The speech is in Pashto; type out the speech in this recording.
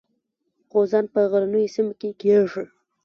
غوزان په غرنیو سیمو کې کیږي.